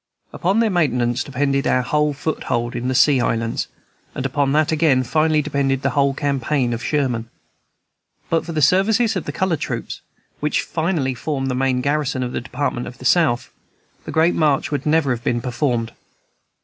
Upon their maintenance depended our whole foothold on the Sea Islands; and upon that again finally depended the whole campaign of Sherman. But for the services of the colored troops, which finally formed the main garrison of the Department of the South, the Great March would never have been performed.